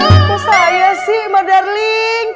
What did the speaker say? itu saya sih madarling